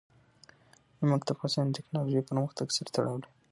نمک د افغانستان د تکنالوژۍ پرمختګ سره تړاو لري.